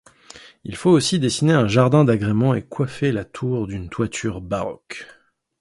Il fait aussi dessiner un jardin d'agrément et coiffer la tour d'une toiture baroque.